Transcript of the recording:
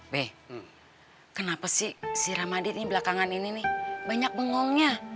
beh kenapa sih si ramadi ini belakangan ini nih banyak bengongnya